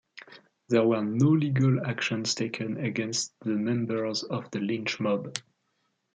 There were no legal actions taken against the members of the lynch mob.